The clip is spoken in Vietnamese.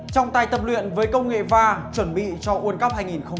trong tay tập luyện với công nghệ va chuẩn bị cho world cup hai nghìn một mươi tám